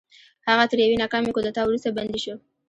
هغه تر یوې ناکامې کودتا وروسته بندي شو.